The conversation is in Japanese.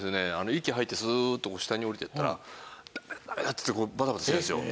息吐いてスーッと下に下りていったらダメだダメだっていってバタバタしてるんですよ